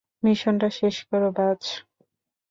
মিশনটা শেষ করো, বায!